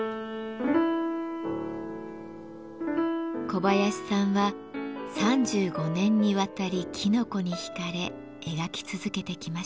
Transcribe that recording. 小林さんは３５年にわたりきのこに惹かれ描き続けてきました。